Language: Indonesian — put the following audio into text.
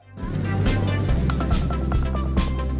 peraturan menteri no lima puluh sembilan tahun dua ribu dua puluh